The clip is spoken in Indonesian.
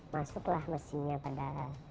masuklah mesinnya pada